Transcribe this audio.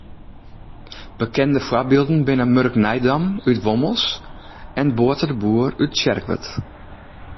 Bekende foarbylden binne Murk Nijdam út Wommels en Bote de Boer út Tsjerkwert.